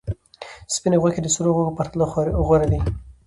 سپینې غوښې د سرو غوښو په پرتله غوره دي.